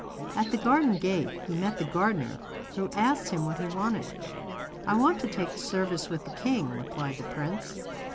At the garden gate he met the gardener, who asked him what he wanted. 'I want to take service with the king,' replied the prince.